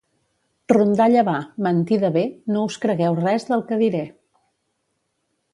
Rondalla va, mentida ve, no us cregueu res del que diré.